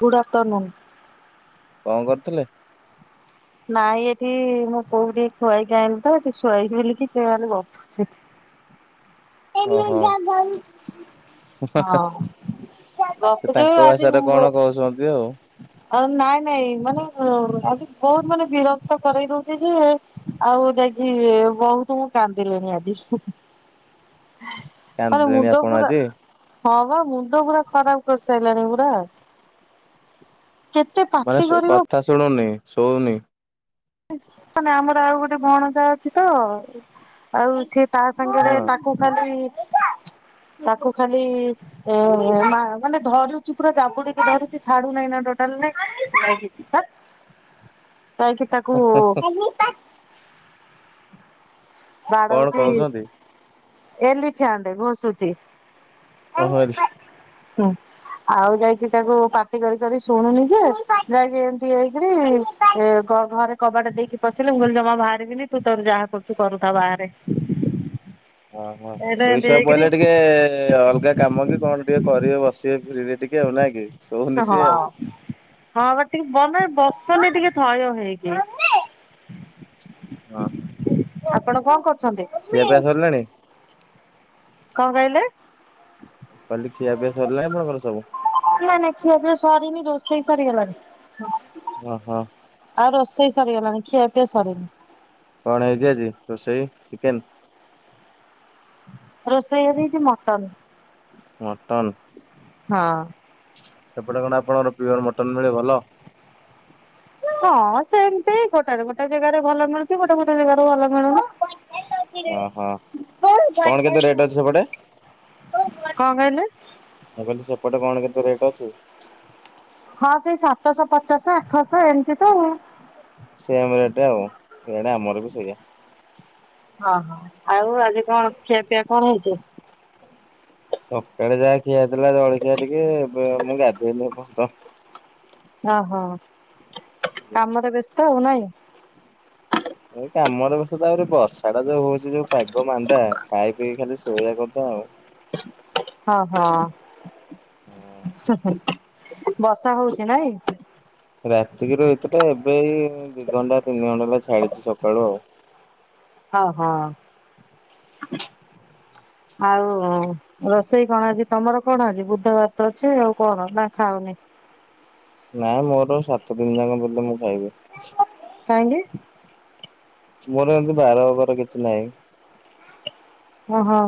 Good afternoon. କଣ କରୁଥିଲେ? ନାଇଁ ଏଠି ମୋ ପୁଅକୁ ଟିକେ ଖୁଆଇକି ଆଇଁଲି ତ, ଏଠି ଶୁଆଇବି ବୁଲିକି ସେମାନେ ଗପୁଛନ୍ତି। [unintelligible] ହଁ [unintelligible] ଓହୋ ନାଇଁ ସେ ତାଙ୍କ ଭାଷାରେ କଣ କହୁଛନ୍ତି ଆଉ। ନାଇଁ ମାନେ ଆଜି ବହୁତ ମାନେ ବିରକ୍ତ କରଇ ଦଉଛି ଯେ ଆଉ ଯାକି ବହୁତ ମୁଁ କାନ୍ଦିଲିଣି ଆଜି ଆରେ କାନ୍ଦିଲେଣି ମୁଣ୍ଡ ଆପଣ ପୁରା ଆଜି? ହଁ ପା, ମୁଣ୍ଡ ପୁରା ଖରାପ କରିସାରିଲାଣି ପୁରା, କେ ମାନେ କଥା ଶୁଣୁନି ଶୁଉନି ମାନେ ଆମର ଆଉ ଗୋଟେ ଭଣଜା ଅଛି ତ, ଆଉ ସେ ତା ସାଙ୍ଗରେ ହଁ ତାକୁ ଖାଲି ତାକୁ ଖାଲି ଏ ମାନେ ଧରୁଛି ପୁରା ଯାବୁଡିକି ଧରୁଛି ଛାଡୁ ନାହିଁ ନା ଟୋଟାଲ କହିକି ତାକୁ କଣ ବାଡଉଛି କହୁଛନ୍ତି? ଏଲିଫଣ୍ଡ ଘୋଷୁଛି ଓହୋ ହୁଁ। ଆଉ ଯାଇକି ତାକୁ ପାଟି କରି କରି ଶୁଣୁନି ଯେ, ଯାଇକି ଏମିତି ହେଇକରି ଘରେ କବାଟ ଦେଇକି ପଶିଲି, ମୁଁ କହିଲି ଜମା ବାହାରିବିନି, ତୁ ତୋର ଯାହା କରୁଛୁ କରୁଥା ବାହାରେ ଓହୋ, ଏଇଟା ଏମିତି ଶୋଇଶୁଆ ହେଇକିରି ପଇଲେ ଟିକେ ଅଲଗା କାମ କି କଣ ଟିକେ କରିବେ ବସିବେ ଫ୍ରିରେ ଟିକେ, ଆଉ ନାଁ କି? ଶୋଉନି ସିଏ ହଁ ଆଉ ହଁ ବା ଟିକେ ମନେ ବସୁନି ଟିକେ ଥୟ ହେଇକି ହଁ ହ। ଆପଣ କଣ କରୁଛନ୍ତି? ଖିଆପିଆ ସରିଲାଣି? କଣ କହିଲେ? କହିଲି ଖିଆପିଆ ସରିଲାଣି ତମର ସବୁ? ନାଇଁ ନାଇଁ ଖିଆପିଆ ସରିନି, ରୋଷେଇ ସରିଗଲାଣି ଓହୋ। ଆଉ ରୋଷେଇ ସରିଗଲାଣି ଖିଆ ପିଆ ସରିନି। କଣ ହେଇଛି ଆଜି ରୋଷେଇ ଚିକେନ? ରୋଷେଇ ଆଜି ହେଇଛି ମଟନ। ମଟନ୍ ହଁ ଅ। ସେପଟେ କଣ ଆପଣଙ୍କର ପିଓର ମଟନ ମିଳେ ଭଲ। ହଁ ସେମତି ଗୋଟେ ଗୋଟେ ଜାଗାରେ ଭଲ ମିଳୁଛି, ଗୋଟେ ଗୋଟେ ଜାଗାରେ ଭଲ ମିଳୁନି। ଓହୋ, କଣ କେତେ ରେଟ୍ ଅଛି ସେପଟେ? କଣ କହିଲେ? ମୁଁ କହିଲି ସେପଟେ କଣ କେତେ ରେଟ୍ ଅଛି? ହଁ ସେଇ ସାତଶହ ପଚାଶ ଆଠଶହ ଏମିତି ତ। ସେମ ରେଟ୍ ଆଉ, ଏଇଆଡେ ଆମର ବି ସେଇଆ। ହଁ ହଁ ଆଉ ଆଜି କଣ ଖିଆ ପିଆ କଣ ହେଇଛି? ସକାଳେ ଯାହା ଖିଆଥିଲା ଜଳଖିଆ ଟିକେ, ମୁଁ ଗାଧେଇନି ଏ ପର୍ଯ୍ୟନ୍ତ। ହଁ ହଁ କାମରେ ବ୍ୟସ୍ତ ଆଉ ନାଇଁ। ଏଇ କାମରେ ବଷ ତ ଆହୁରି ବର୍ଷା ଟା ଯୋଉ ହଉଛି ଯୋଉ ପାଗ ମାନ୍ଦା ଖାଇ ପିଇ ଖାଲି ଶୋଇଆ କଥା ଆଉ ହଁ, ହଁ, ହିଁ ହିଁ, ବର୍ଷା ହଉଛି ନାଇଁ! ରାତିକିରୁ ହେଇଥିଲା। ଏବେ ଏଇ ଦି ଘଣ୍ଟା, ତିନି ଘଣ୍ଟା ହେଲା ଛାଡିଛି ସକାଳୁ ଆଉ। ହ ହଁ, ଆଉ-ଉଁ ରୋଷେଇ କଣ ଆଜି? ତମର କଣ ଅଛି? ବୁଧୁବାର ତ ଅଛି! ଆଉ କଣ ନା ଖାଅନି? ନାଇଁ, ମୋର ସାତ ଦିନି ଯାଁକେ ବୁଲଲେ ମୁଁ ଖାଇବି? କାହିଁକି? ମୋର ଏମିତି ବାର ଅବାର କିଛି ନାହିଁ। ଓହୋ।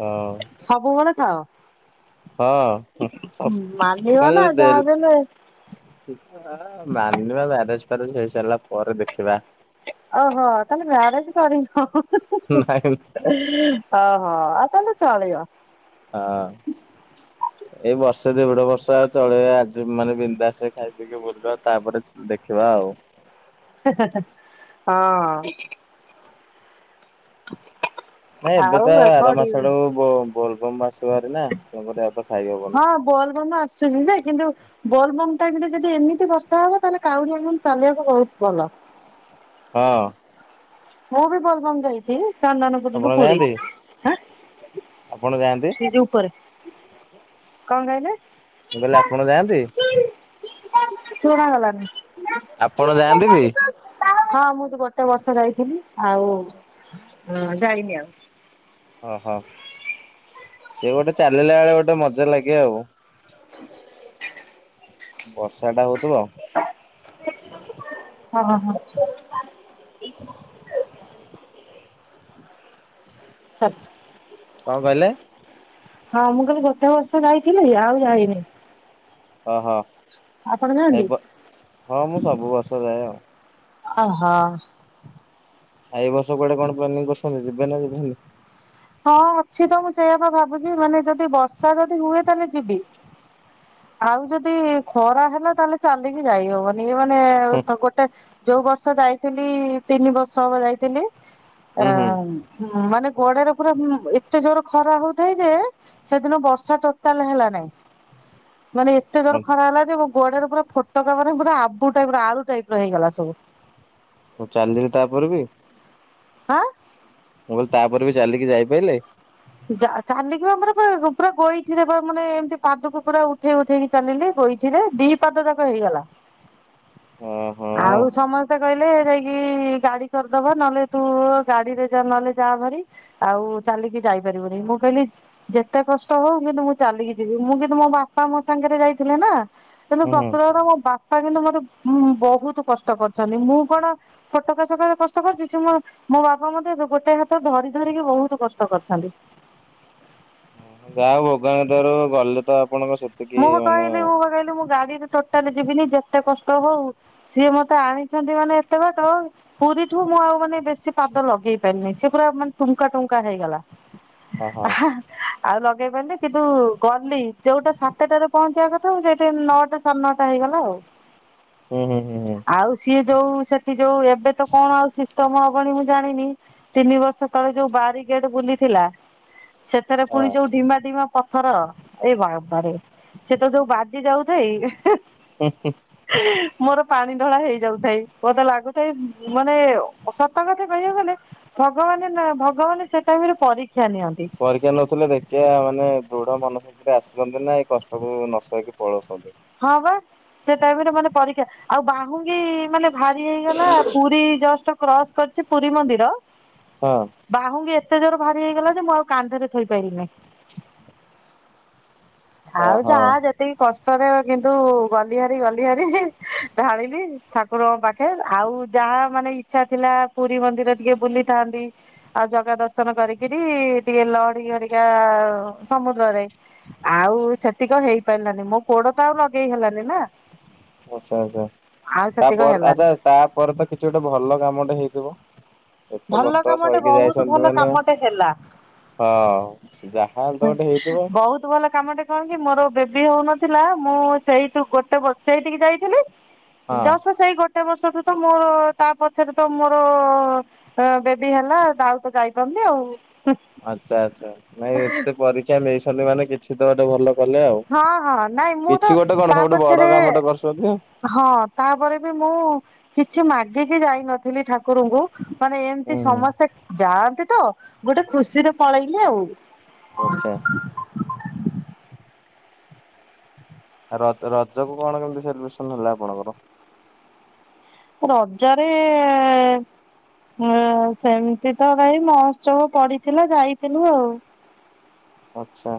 ହଁ। ସବୁବେଳେ ଖାଅ! ହଁ ମାନିବ ମାନେ ନା ଯଦି ଦେଲ ଯାହାବି ହେଲେ। [inaudible] ମାନିବା ମ୍ୟାରେଜ୍ ଫ୍ୟାରେଜ୍ ହେଇସାରିଲା ପରେ ଦେଖିବା। ଓହୋ! ତାହାଲେ, ମ୍ୟାରେଜ କରିନ? ହଁ ହଁ ହଁ ହିଁ ନାଇଁ ହିଁ ଅହୋ ଆ ତା, ହେଲେ ଚଳିବ। ହଁ। ଏଇ ବର୍ଷେ ଦେଢ ବର୍ଷ ଆଉ ଚଳେଇବା। ଆଜି ମାନେ, ବିନ୍ଦାସେ ଖାଇ ପିଇକି ବୁଲିବା। ତା'ପରେ ଚି ଦେଖିବା ଆଉ। ହେଁ ହେଁ ହେଁ, ହଁ। ନାଇଁ, ଏବେ ଆଉ ତ ଆର କୋଉଠି ମାସ ଆଡ଼ୁବ୍ ବୋ-ବୋଲବମ୍ ମାସ ଆରେ ନା। [unintelligible] ହଁ, ବୋଲ୍ ବମ୍ ଆସୁଛି ଯେ, କିନ୍ତୁ ବୋଲ୍ ବମ୍ ଟା ଯଦି ଯଦି ଏମିତି ବର୍ଷା ହବ। ତାହେଲେ, କାଉଡ଼ିଆ ମାନେ ଚାଲିବାକୁ ବହୁତ ଭଲ। ହଁ। ମୁଁ ବି ବଲ୍ ଭମ୍ ଯାଇଛି। ଚନ୍ଦନପୁରୁରୁୁ ଆପଣ ପୁରୀ। ଯାଆନ୍ତି ଆପଣ ଯାଆନ୍ତି? ସିଟ୍ ଉପରେ। କଣ କହିଲେ? ମୁଁ କହିଲି ଆପଣ ଯାଆନ୍ତି? ଶୁଣାଗଲା ନି। ଆପଣ ଯାଆନ୍ତି ବି? ହଁ, ମୁଁ ତ ଗୋଟେ ବର୍ଷ ଯାଇଥିଲି। ଆଉ ଯାଇନି ଆଉ। ଓହୋ! ସେ ଗୋଟେ ଚାଲିଲା ଏଳେ, ଗୋଟେ ମଜା ଲାଗେ ଆଉ। [inaudible] ବର୍ଷା ଟା ହଉଥୁବ। ହଁ, ହଁ। [inaudible] [inaudible] କଣ କହିଲେ? ହଁ, ମୁଁ କହିଲି ଗୋଟେ ବର୍ଷ ଯାଇଥିଲି, ଆଉ ଯାଇନି। ଓହ! ଆପଣ ଯାଆନ୍ତି? ଏବ ହଁ, ମୁଁ ସବୁ ବର୍ଷ ଯାଏ ଆଉ। ଓହୋ। ଆଉ ଏଇ ବର୍ଷ କୁଆଡେ କଣ ପ୍ଲାନିଙ୍ଗ୍ କରସନ୍ତି, ଯିବେ ନା ଯିବେନି? ହଁ, ଅଛି ତ ମୁଁ ସେଇଆପା ଭାବୁଛି, ମାନେ ଯଦି ବର୍ଷା ଯଦି ହୁଏ ତାଲେ ଯିବି। ଆଉ ଯଦି ଖରା ହେଲା ତାହେଲେ, ଚାଲିକି ଯାଇହବନି। ନି ମାନେ, ଗୋଟେ ଯୋଉ ବର୍ଷ ଯାଇଥିଲି, ତିନି ବର୍ଷ ହବ ଯାଇଥିଲି। ହୁଁ ହୁଁ। ଏଁ ମାନେ ଗୋଡରେ ପୁରା ଏତେ ଜୋର ଖରା ହଉଥାଏ ଯେ, ସେଦିନ ବର୍ଷା ଟୋଟାଲ୍ ହେଲା ନାଇଁ। ମାନେ, ଏତେ ଜୋର୍ ଖରା ହେଲା ଯେ, ମୋ ଗୋଡରେ ପୁରା ଫୋଟକା ମାନେ, ପୁରା ଆବୁ ଟାଇପ୍ ର ଆଳୁ ଟାଇପ୍ ର ହେଇଗଲା ସବୁ। ଆଉ ଚାଲିିଲେ ତା'ପରେ ବି? ହଁ। ମୁଁ କହିଲି, ତା'ପରେ ବି ଚାଲିକି ଯାଇପାଇଲେ। ଯା ଚାଲିକି ଆମର ପୁର ପୁରା ଗୋଇଇଠିରେବା ମାନେ ଏମିତି ପାଦକୁ ପୁରା ଉଠେଇ ଉଠେଇକି ଚାଲିଲି ଗୋଇଠିରେ ଦି ପାଦ ଯାକ ହେଇଗଲା। ଓହୋ ଆଉ ସମସ୍ତେ କହିଲେ ଯାଇକି ଗାଡି କରିଦବ ନହେଲେ ତୁ ଗାଡିରେ ନହେଲେ ଯାହା ଭରି। ଆଉ ଚାଲିକି ଯାଇପାରିବୁନି ମୁଁ କହିଲି ଯେତେ କଷ୍ଟ ହଉ କିନ୍ତୁ ମୁଁ ଚାଲିକି ଯିବି ମୁଁ କିନ୍ତୁ ମୋ ବାପା ମୋ ସାଙ୍ଗରେ ଯାଇଥିଲେ ନା। କିନ୍ତୁ ହୁଁ ହୁଁ। ପ୍ରକୃତର ମୋ ବାପା କିନ୍ତୁ ମତେ ବହୁତ କଷ୍ଟ କରିୁଛନ୍ତି ମୁଁ କଣ? ଫୋଟକା ସକା ସେ କଷ୍ଟ କରିଚିସେ ମୋ ମୋ ବାପା ମେ ଗୋଟେ ହାତ ଧରି ଧରିକି ବହୁତ କଷ୍ଟ କରିଛନ୍ତି। ଗାହା ଭୋଗାଣ ତାରୁ ଗଲେ ତ ଆପଣଙ୍କ ସ୍ ମୁଁ କହିଲି ମୁଁ କହିଲି ମୁଁ ଗାଡିରେ ଟୋଟାଲି ଯିବିନି ଯେତେ କଷ୍ଟ ହଉ ସିଏ ମତେ ଆଣିଛନ୍ତି ମାନେ ଏତେ ବାଟ। ପୁରୀ ଠୁ ମୁଁ ଆଉ ମାନେ ବେଶୀ ପାଦ ଲଗେଇ ପାରିନି ସେ ପୁରା ମାନେ ଟୁଙ୍କା ଟୁଙ୍କା ହେଇଗଲା। ଓହୋ ଆଉ ଲଗେଇ ପାରିଲି କିନ୍ତୁ ଗଲି ଯୋଉଟା ସାତ୍ କେତେଟାରେ ପହଞ୍ଚିବା କଥାଉ ସେଇଠି ନଅଟା ସାଢ଼େ ନଅଟା ହେଇଗଲା ଆଉ ହୁଁ ହୁଁ ହୁଁ ହୁଁ। ଆଉ ସିଏ ଯୋଉ ସେଠି ଯୋଉ ଏବେ ତ କଣ ଆଉ ସିଷ୍ଟମ ହବଣି ମୁଁ ଜାଣିନି ତିନି ବର୍ଷ ଳେ ଯୋଉ ବାରଗେଟ ବୁଲିଥିଲା ସେଥିରେ ହଁ ପୁଣି ଯୋଉ ଢିମା ଡିମା ପଥର ଏଇ ବମ୍ବାରେ ସେ ତ ଯୋଉ ବାଜି ଯାଉଥଏ। ହୁଁ ମୋର ପାଣି ଢଳା ହେଇଯାଉଥାଏ ମୋତେ ଲାଗୁଥାଏ ମାନେ ସତ କଥା କହିବା ଗଲେ ଭଗବାନ ନା ଭଗବାନ ସେ ଟାଇମରେ ପରୀକ୍ଷା ନିଅନ୍ତି। ପରୀକ୍ଷା ନଉଥିଲେ ଦେଖିବା ମାନେ ଦୃଢ ମନ ସ ରେ ଆସୁଛନ୍ତି ନା ଏଇ କଷ୍ଟକୁ ନସଇକି ପଳଉଛନ୍ତି। ହଁ ବା ସେ ଟାଇମରେ ମାନେ ପରୀକ୍ଷା ଆଉ ବାହୁଙ୍ଗୀ ମାନେ ଭାରି ହେଇଗଲା ପୁରୀ ଜଷ୍ଟ କ୍ରସ୍ କରିଛି ପୁରୀ ମନ୍ଦିର। ହଁ ବାହୁଙ୍ଗି ଏତେ ଜୋର ଭାରି ହେଇଗଲା ଯେ ମୁଁ ଆଉ କାନ୍ଧରେ ଥୋଇପାରିଲିନି। ହଉ ଯା ଓହୋ ଯେତ୍ ଏତିକ କଷ୍ଟରେ କିନ୍ତୁ ଗଲି ହାରି ଗଲି ହାରି ଢାଳିଲି ଠାକ୍ ରକଂପାଖେ ଆଉ ଯାହା ମାନେ ଇଚ୍ଛା ଥିଲା ପୁରୀ ମନ୍ଦିର ଟିକେ ବୁଲିଥାନ୍ତି। ଆଉ ଜଗା ଦର୍ଶନ କରିକିରି ଟିକେ ଲହଢି ଘରିକା ସମୁଦ୍ରରେ। ଆଉ ସତ୍ ତିିକ ହେଇ ପାରିଲାନି ମୋ ପୋଡ ତ ଆଉ ଲଗେଇ ହେଲାନି ନା? ଆଚ୍ଛା ଆଚ୍ଛା ଆଉ ତାପ ସେତିକ ହେଲାନି ଆଚ୍ଛା ତାପରେ ତ କିଛି ଗୋଟେ ଭଲ କାମଟେ ହେଇଥିବ। ଏତେ ଭଲ କଷ୍ଟ କାମଟେ ସଇକି ବହୁତ ଯାଇଛନ୍ତି ଭଲ ମାନେ କାମଟେ ହେଲା ହଁ ଯା ବହୁତ ଭଲ କାମଟା କଣ କି ମୋର ବେବି ହଉନଥିଲା ମୁଁ ସେଇଠୁ ଗୋଟେ ବର୍ଷ ସେଇଠିକି ଯାଇଥିଲି। ହଁ ଯସ ସେଇ ଗୋଟେ ବର୍ଷଠୁ ତ ମୋର ତା ପଛରେ ତ ମୋର ହଁ ବେବି ହେଲା ଆଉ ତ ଯାଇପାରୁନି ଆଉ। ଆଚ୍ଛା ଆ୍ଛା ନାଇଁ ଏତେ ପରୀକ୍ଷା ନେଇଛନ୍ତି ମାନେ କିଛି ତ ଗୋଟେ ଭଲ ଗଲେ ଆଉ ହଁ ହଁ ନାଇଁ ମୁଁ ତ କିଛି ଗୋଟେ ତା କଣ ସବୁଠୁ ପଛରେ ବଡ କାମଟେ କରୁଛନ୍ତି। ହଁ ତାପରେ ବି ମୁଁ କିଛି ମାଗିକି ଯାଇନଥିଲି ଠାକୁରଙ୍କୁ। ମାନେ ଏମତି ହୁଁ ସମସ୍ତେ ଯାଆନ୍ତି ତ ଗୋଟେ ଖୁସିରେ ପଳେଇଲେ ଆଉ ଆଚ୍ଛା। ଆ ର ରଜକୁ କଣ କେମତି ସେଲିବ୍ରେସନ ହେଲା ଆପଣଙ୍କର? ରଜରେ ହ ସେମିତି ତ ଭାଇ ମହୋତ୍ସବ ପଡିଥିଲା ଯାଇଥିଲୁ ଆଉ ଆଚ୍ଛା।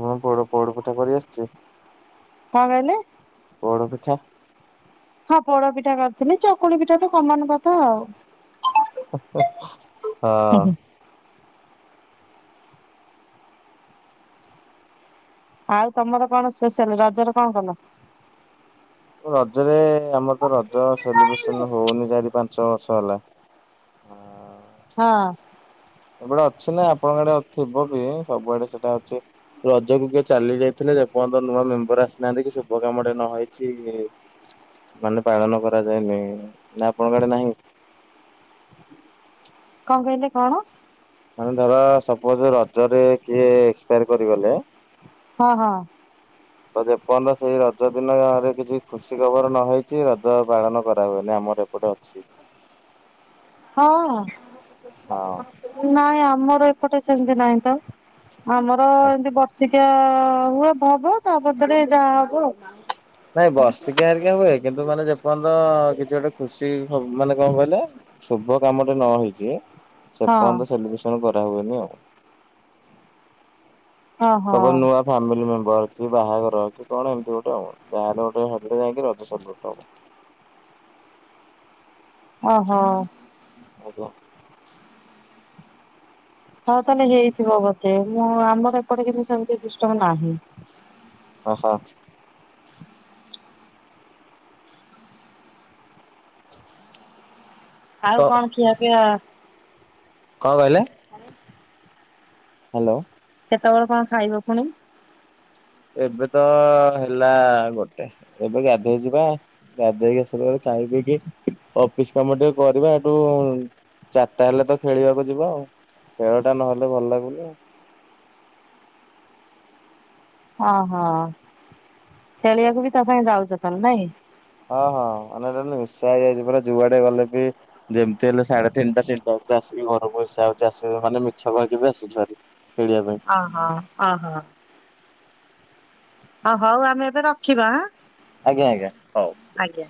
ହୁଁ ପୋଡ୍ ପୋଡ ପିଠା କରିଆସିଛି। କଣ କହିଲେ? ପୋଡ଼ପିଠା। ହଁ ପୋଡପିଠା କରିଥିଲି ଚକୁଳି ପିଠା ତ କମନ କଥା ଆଉ। ହଁ। ଆଉ ତମର କଣ ସ୍ପେଶାଲ ରଜର କଣ କଲ? ରଜରେ ଆମର ତ ରଜ ସେଲିବ୍ରେସନ ହଉନି ଜାରିପାରନ୍ ପାଞ୍ଚ ବର୍ଷ ହେଲା ଆଉ ହଁ। ଏବଳା ଅଛି ନା ଆପଣଙ୍କ ଆଡେ ଥିବ ବି ସବୁଆଡେ ସେଟା ଅଛି। ରଜକୁ କିଏ ଚାଲି ଯାଇଥିଲେ ଯେପର୍ଯ୍ୟନ୍ତ ତ ନୂଆ ମେମ୍ବର ଆସିନାହାନ୍ତି କି ଶୁଭ କାମଟେ ନ ହେଇ [unintelligible] ମାନେ ପାଳନ କରାଯାଏନି ନା ଆପଣଙ୍କ ଆଡେ ନାହିଁ। କଣ କହିଲେ କଣ? ଧର ଧର ସପୋଜ ରଜରେ କିଏ ଏକ୍ସପାୟାର କରିଗଲେ। ହଁ ହଁ। ତ ଯେପର୍ଯ୍ୟନ୍ତ ସେଇ ରଜ ଦିନରେ କିଛି ଖୁସି ଖବର ନହେଇଛି ରଜ ପାଳନ କରା ହୁଏନି ଆମର ଏପଟେ ଅ ଛି [inaudible] ହଁ ହଁ। ନାଇଁ ଆମର ଏପଟେ ସେମିତି ନାହିଁ ତ। ଆମର ଏମତି ବର୍ଷିକିଆ ହୁଏ। ହବ ତା ପଛରେ ଯାହା ହବ ଆଉ ନାଇଁ ବର୍ଷିକିଆ ହେରିକି ହୁଏ କିନ୍ତୁ ମାନେ ଯେ ପର୍ଯ୍ୟନ୍ତ କିଛି ଗୋଟେ ଖୁସି ମାନେ କଣ କହିଲେ ଶୁଭ କାମଟେ ନ ହେଇଛି ସେ ହଁ ପର୍ଯ୍ୟନ୍ତ ସେଲିବ୍ରେସନ କରା ହୁଏନି ଆଉ। ଓହୋ ସବୁ ନୂଆ ଫ୍ୟାମିଲି ମେମ୍ବର କି ବାହାଘର କି କଣ ଏମିତି ଗୋଟେ ଆଉ ଯାହାହେଲେ ଗଟେ ହେଲେ ଯାଇକି ରଜ ସେଲିବ୍ରେଟ ହବ। ଓହୋ! ଆଜ୍ଞା। ହଉ ତାହେଲେ ହେଇଥିବ ବତେ ମୁଁ ଆମର ଏପଟେ କିନ୍ତୁ ସେମିତି ସିଷ୍ଟମ ନାହିଁ। ଅହଃ। କ ଆଉ କଣ ଖିଆପିଆ? କଣ କହିଲେ? ହ୍ୟାଲୋ। କେତେବେଳେ କଣ ଖାଇବ ପୁଣି? ଏବେତ ହେଲା ଗୋଟେ ଏବେ ଗାଧେଇ ଯିବା। ଗାଧେଇକି ଆସିଲା ବେଳକୁ ଖାଇପିଇକି ଅଫିସ କାମ ଟିକେ କରିବା ଏଠୁ ଚାରିଟା ହେଲେ ତ ଖେଳିବାକୁ ଯିବା ଆଉ। ଖେଳଟା ନହେଲେ ଭଲ ଲାଗୁନି ଆଉ। ଅହଃ କଣ ଖେଳିବାକୁ ବି ତା ସାଙ୍ଗେ ଯାଉଛ ତାହେଲେ ନାଇଁ? ହଁ ହଁ ମାନେ ଏ ନିଶା ହେଇଯାଇଛି ପୁରା ଯୁଆଡେ ଗଲେ ବି ଯେମିତି ହେଲେ ସାଢେ ତିନିଟା ତିନିଟା ଭିତରେ ଆସିକି ଘରକୁ ଆସିକି ବଷା ହଉଛି ଆସିବୁ ମାନେ ମିଛ କହିକି ବି ଆସୁଛୁ ଭାରି। ଖେଳିବା ପାଇଁ ଅହଁ ଅହଁ। ଓ ହଉ ଆମେ ଏବେ ରଖିବାଁ ଆଜ୍ଞା ଆଜ୍ଞା ହଉ। ଆଜ୍ଞା।